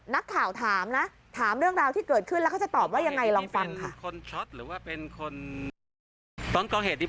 นักข่าวถามนะถามเรื่องราวที่เกิดขึ้นแล้วเขาจะตอบว่ายังไงลองฟังค่ะ